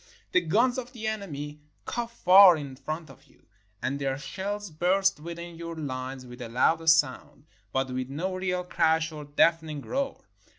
The guns of the enemy cough far in front of you, and their shells burst within your lines with a louder sound — but with no real crash or deafening roar.